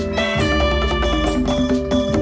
ตอนต่อไป